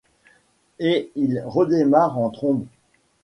Et il redémarre en trombe.